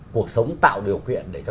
cuộc sống tạo điều kiện để cho